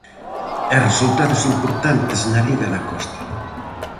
E resultados importantes na liga da Costa.